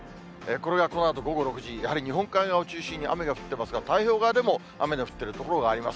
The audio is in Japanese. これがこのあと午後６時、やはり日本海側を中心に、雨が降ってますが、太平洋側でも雨の降っている所があります。